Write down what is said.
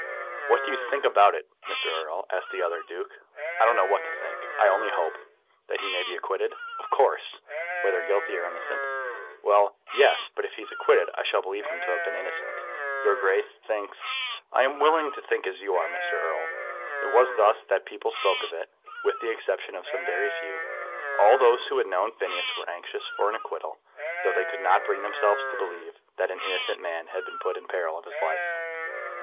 "What do you think about it, Mr. Erle?" asked the other Duke. "I don't know what to think; I only hope." "That he may be acquitted?" "Of course." "Whether guilty or innocent?" "Well; yes. But if he is acquitted I shall believe him to have been innocent. Your Grace thinks ?" "I am as unwilling to think as you are, Mr. Erle." It was thus that people spoke of it. With the exception of some very few, all those who had known Phineas were anxious for an acquittal, though they could not bring themselves to believe that an innocent man had been put in peril of his life.